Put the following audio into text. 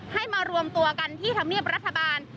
ให้มารวมตัวกันที่ธรรมเนียบรัฐบาล